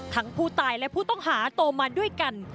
ผู้ตายและผู้ต้องหาโตมาด้วยกัน